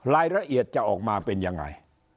รายละเอียดจะออกมาเป็นยังไง